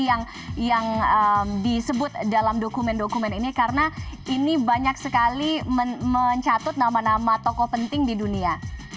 yang disebut dalam dokumen dokumen ini karena ini banyak sekali mencatut nama nama tokoh penting di dunia